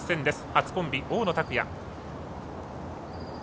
初コンビ、大野拓弥。